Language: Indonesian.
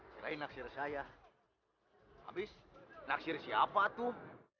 selain naksir saya habis naksir siapa tuh